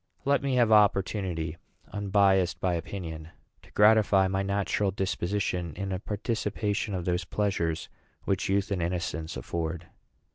Let me have opportunity, unbiased by opinion, to gratify my natural disposition in a participation of those pleasures which youth and innocence afford."